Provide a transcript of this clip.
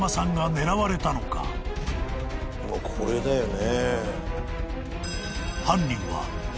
これだよね。